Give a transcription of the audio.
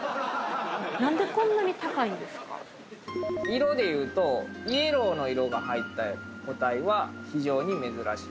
色でいうとイエローの色が入った個体は非常に珍しいです。